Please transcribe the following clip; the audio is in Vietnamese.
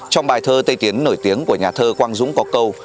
trong bài thơ tây tiến nổi tiếng của nhà thơ quang dũng có câu